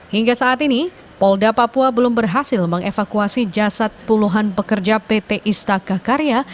hingga saat ini polda papua belum berhasil mengevakuasi jasad puluhan pekerja pt istaka karya